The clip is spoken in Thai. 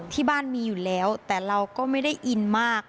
ที่บ้านมีอยู่แล้วแต่เราก็ไม่ได้อินมาก